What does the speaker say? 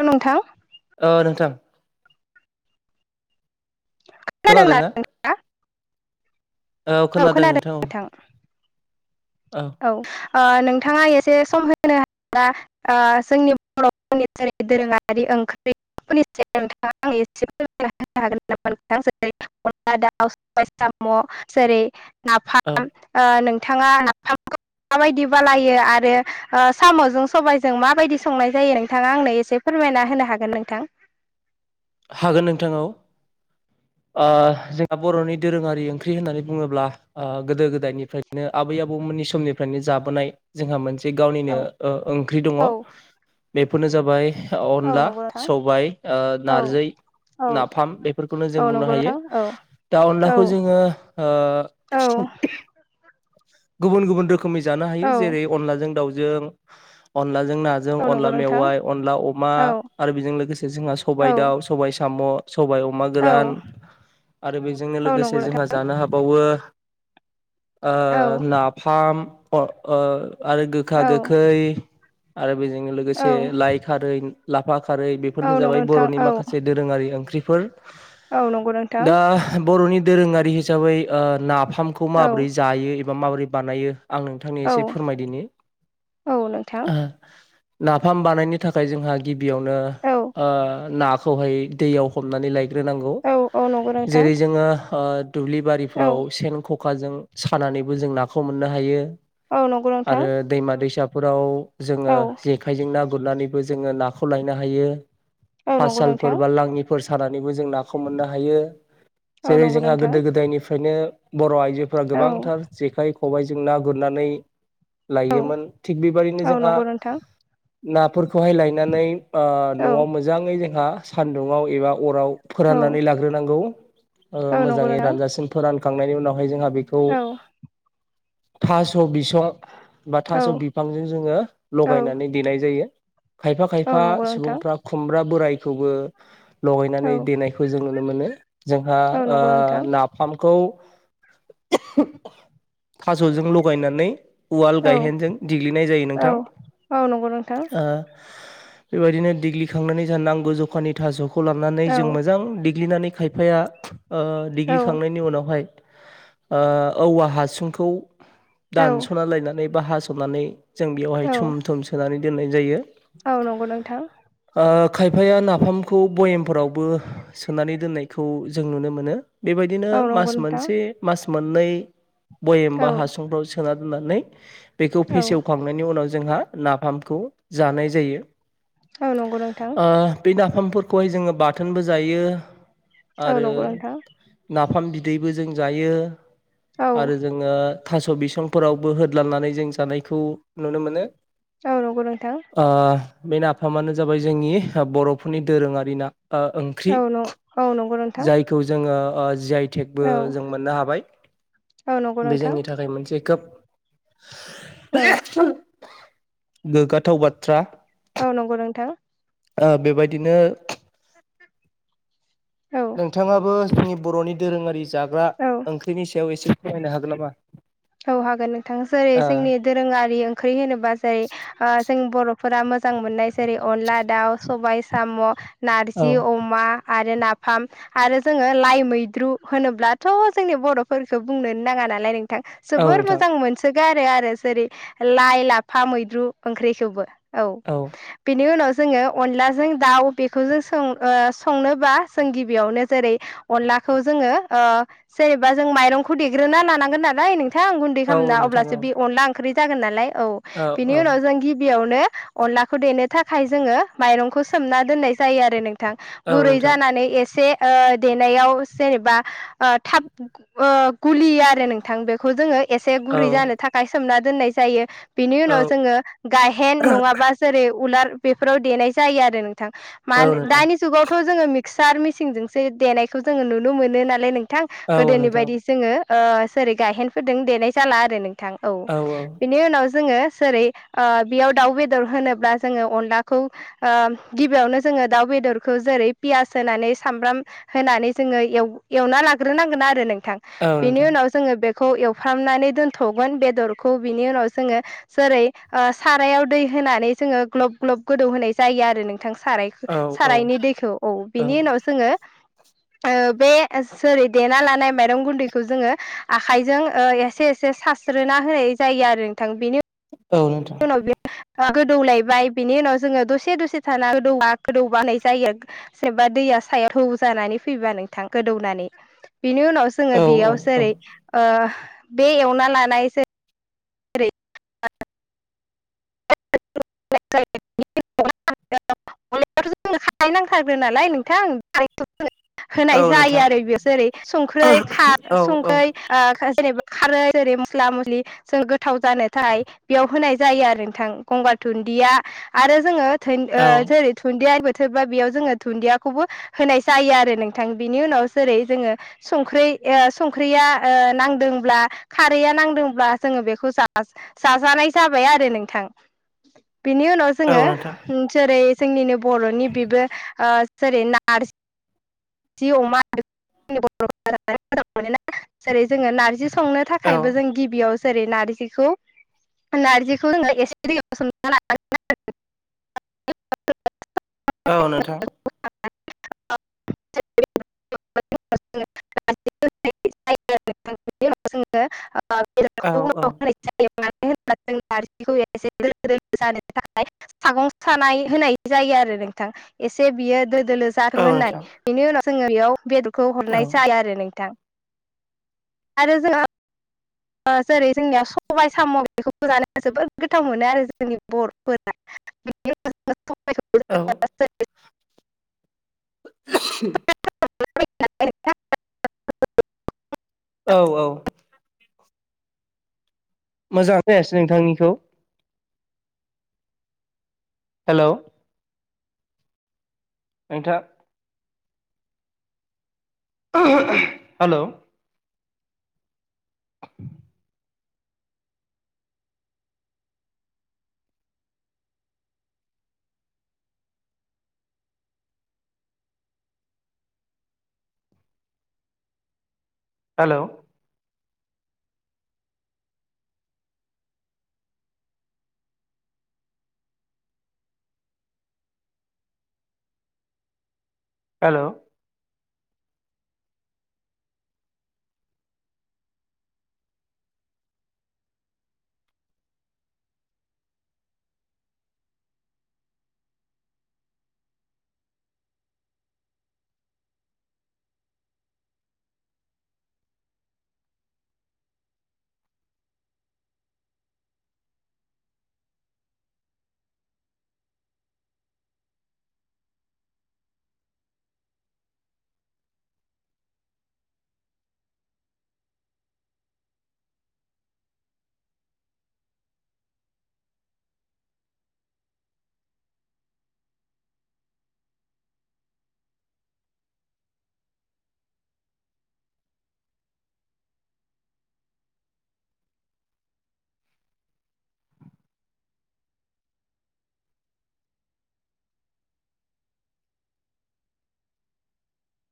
हेल' नोंथां औ नोंथां खोनादोंना ना औ खोनादों नोंथां औ नोंथाङा एसे सम होनो हायोब्ला जोंनि बर'फोरनि जेरै दोरोङारि [unintelligible] सबाय साम जेरै औ नाफाम नोंथाङा नाफामखौ माबायदि बानायो आरो साम'जों सबायजों माबायदि संनाय जायो नोंथाङा आंनो एसे फोरमाय फोरमायना होनो हागोन नोंथां हागोन नोंथां व [inaudible] जोंहा बर'नि दोरोङारि ओंख्रि होननानै बुङोब्ला गोदो गोदायनिफ्रायनो आबै आबौ उनि समनिफ्रायनो जाबोनाय जोंहा मोनसे जि गावनिनो औ ओंख्रि दङ औ बेफोरनो जाबाय औ अनला नंगौ नोंथां सबाय औ नारजि औ नाफाम बेफोरखौनो जों औ बुंनो नंगौ हायो नोंथां औ दा अनलाखौ जोङो औ गुबुन गुबुन रोखोमनि जानो हायो औ जेरै अनलाजों दाउजों अनलाजों जों नाजों औ नंगौ अनला नोंथां मेवाइ अनला अमा औ आरो बेजों लोगोसे जोंहा औ सबायाइ दाउ सबाइ साम' सबाइ अमा औ गोरान आरो बेजोंनो औ नंगौ लोगोसे नोंथां जोंहा जानो हाबावो औ नाफाम आरो गोखा औ गोखै आरो बेजों औ लोगोसे लाइ खारै लाफा खारै औ बेफोरनो नंगौ जाबाय नोंथां बर'नि औ माखासे दोरोङारि ओंख्रि औ नंगौ नोंथां दा बर'नि दोरोङारि हिसाबै ना नाफाम खौ औ माब्रै एबा माबोरै बानायो आं नोंथांनि औ एसे फोरमायदिनि। औ नोंथां नाफाम बानायनो थाखाय जोंहा गिबियावनो औ ना खौहाय दैयाव हमनानै लायग्रोनांगौ औ औ नंगौ नोंथां जेरै जोङो। दुब्लि औ बारिफ्राव सेन खखाजों सानानैबो जों नाखौ मोननो हायो औ नंगौ नोंथां आरो दैमा दैसाफोराव जोङो औ जेखायजों ना गुरनानैबो जोङो नाखौ लायनो हायो औ नंगौ फलफोर नोंथां बा लाङिफोर सानानैबो जों नाखौ मोननो हायो। औ जेरै नंगौ जोंहा नोंथां गोदो गोदायनिफ्रायनो। बर' आइजोफोरा औ गोबांथार जेखाइ खबाइजों ना गुरनानै। औ लायोमोन थिग बेबादिनो औ जोंहा नंगौ नोंथां नाफोरखौहाय लायनानै औ न'आव मोजाङै जोंहा सानदुंआव एबा अराव। औ फोराननानै लाग्रोनांगौ औ नंगौ मोजाङै नोंथां रानजासिन फोरानखांनायनि उनावहाय जोंहा बे औ। थास' बिसं बा औ थास' बिफांजों जोङो औ लगायनानै देनाय जायो। खायफा औ खायफा नंगौ नोंथां सुबुंफ्रा खुमब्रा बोरायखौबो। औ लगैनानै देनायखौ जों नुनो मोनो जोंहा औ नंगौ नोंथां नाफामखौ थास'जों लगायनानै। उवाल औ गायहेनजों देग्लिनाय जायो औ नोंथां। औ नंगौ नोंथां बेबायदिनो दिग्लिखांनानै जों नांगौ जखानि थास'खौ लानानै औ जों मोजां दिेग्लिनानै। खायफाया औ दिग्लिखांनायनि उनावहाय। औवा हासुंखौ औ दानस'ना लायनानै बा हास'नानै। जों बेयावहाय औ थुम थुम सोनानै दोननाय जायो। औ नंगौ नोंथां। ओ खायफाया नाफामखौ बयेमफोरावबो सोनानै दोननायखौ जों नुनो मोनो। बेबायदिनो औ नंगौ मास नोंथां मोनसे मास मोननै बयाम औ बा हासुंफ्राव सोना। होननानै बेखौ औ फेसेवखांनायनि उनाव जोंहा नाफामखौ जानाय जायो। औ नंगौ नोंथां। ओ बे नाफामफोरखौहाय जोङो बाथोनबो जायो औ आरो नंगौ नोंथां नाफाम बिदै दैबो जों जायो औ आरो जोङो। थास' बिसंफोरावबो होदलांनानै जों जानायखौ नुनो मोनो। औ नंगौ नोंथां। ओ बे नाफामानो जाबाय जोंनि बर'फोरनि दोरोङारि ना। ओंख्रि औ न औ नंगौ नोंथां जायखौ जोङो। जि आइ टेकबो औ जों मोननो हाबाय औ नंगौ बे नोंथां जोंनि थाखाय मोन। मोनसे खोब औ गोग्गाथाव बाथ्रा। औ नंगौ नोंथां। बेबायदिनो औ नोंथाङाबो जोंनि बर'नि दोरोङारि जाग्रा औ ओंख्रिनि सायाव एसे फोरमायनो हागोन नामा? औ हागोन नोंथां जेरै जोंनि ओ दोरोङारि ओंख्रि होनोबा जेरै जों। बर'फोरा मोजां मोननाय जेरै अनला दाउ सबाय साम' नारजि अमा। आरो नाफाम आरो जोङो लाइ मैद्रु होनोब्लाथ' जोंनि बर'फोरफोरखौ बुंनोनो नाङा। नालाय नोंथां। औ जोबोर नोंथां मोजां मोनसोगारो आरो आरो जेरै लाइ लाफा मैद्रु ओंख्रिखौबो। औ बिनि उनाव जों अलाजों दाउ बे संनोबा जों गिबियावनो जेरै अनला जोङो जेनेबा जों माइरंखौ देग्रोना लानांगोन नालाय। नोंथां गुन्दै औ खालामना नोंथां औ अब्लासो बे अनला ओंख्रि जागोन नालाय औ बिनि उनाव जों गिबियावनो। अनलाखौ देनो थाखाय जोङो माइरंखौ सोमना दोननाय जायो आरो नों। औ गुरै नोंथां जानानै एसे देनायाव जेनेबा थाब गुलियो आरो नोंथां बे बेखौ जोङो एसे औ गुरै जानो थाखाय सोमना दोननाय जायो बिनि औ उनाव जोङो गायहेन नङाबा जेरै उवाल बेफोराव देनाय जायो आरो नोंथां औ माने नोंथां दानि जुगावथ' जोङो मिक्सार मेसिनजोंसो देनायखौ जोङो नुनो मोनो नालाय नों बिथां औ गोदोनि नोंथां बायदि जोङो सेरै गायहेनफोरदों देनाय जाला आरो नोंथां औ बिनि उनाव जोङो जेरै बेयाव दाउ बेदर होनोब्ला जोङो अनलाखौ गिबियावनो जों जोङो दाउ बेदरखौ जेरै पियास होनानै सामब्राम होनानै जोङो एवना लाग्रोनांगोन आरो नों औ बिनि नोंथां उनाव जोङो बे एवनानै दोनथ गों बेदरखौ बिनि उनाव जोङो जेरै सारायाव दै होनानै जोङो ग्लब ग्लब गोदौ होनाय जायो आरो नों नोंथां साराय औ सारायनि दैखौ औ बिनि उनाव जोङो बे जेरै देना लानाय माइरं गुन्दैखौ जोङो आखाइजों एसे एसे सारस्रोना होनाय जायो आरो बेनि औ नोंथां उनाव गोदौलायबाय बिनि उनाव जोङो दसे दसे थाना गोदौ गोदौ होनाय जायो जेनेबा दै दैया सायाव थौ जानानै फैबा नोंथां गोदौनानै बेनि उनाव जोङो औ औ बेयाव जेरै बे एवना लानाय जेरै जेरै [unintelligible] मलबाथ' जोंनो [unintelligible] नालाय नोंथां [unintelligible] होनाय औ जायो नोंथां आरो बे जेरै संख्रै खारै औ औ संखै जेनेबा खारै मसला मसलि जों गोथाव जानो थाखाय बेयाव होनाय जायो आरो नोंथां गंगार दुनदिया आरो जोङो जेरै दुन्दिया बोरबा बेयाव जोङो दुन्दियाखौबो होनाय जायो आरो नोंथां बिनि उनाव जेरै जोङो संख्रि ओ संख्रिया नांदोंब्ला ओ खारैया नांदोंब्ला। जोङो बेखौ जा-जाजानाय जाबाय आरो नोंथां। बिनि उनाव औ जोङो नोंथां जेरै जोंनिनो बर'नि बेबो ओ जेरै नारज जि अमा जों बर मोजां मोनोना जेरै जोङो नारजि। संनो औ नोंथां औ थाखायबो जों गिबियावज जेरै नारिजिखौ नारजिखौ जों एसे दैयाव सोमना‌ लानांगौ। [unintelligible] औ नोंथां [unintelligible] [unintelligible] जों नारजिखौ एसे दोलो‌ दोलो थाखाय सागं सानाय होनाय जायो आरो नोंथां। एसे बियो दोद दोलो जाथों होननाय बेनि उनाव जोङो बेयाव बेदरखौ औ हरनाय जाया आरो नोंथां। आरो जोंङो ओ जेरै जोंनिया सबाय साम' बेखौबो जानो जोबोद गोथाव मोनो आरो जोंनि बर'फोरा। [unintelligible] औ। सबायखौ [inaudible] [unintelligible] औ औ। मोजाङा फैयासै नोंथांनिखौ। हेलौ। नोंथां हेलौ। [unintelligible] Hello hello